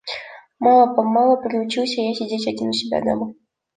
Мало-помалу приучился я сидеть один у себя дома.